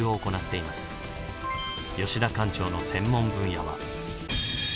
吉田館長の専門分野は。